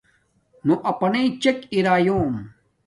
نو اپانݵ چک ارالِیوم